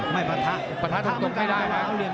ไม่ปะทะถ้ามันกลางก็เอาเหลี่ยม